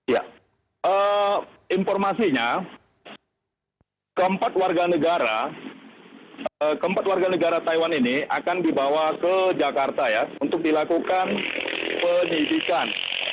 ya informasinya keempat warga negara keempat warga negara taiwan ini akan dibawa ke jakarta ya untuk dilakukan pendidikan